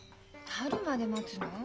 春まで待つの？